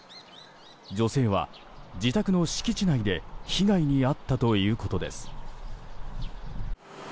女性は自宅の敷地内で被害に遭ったということです。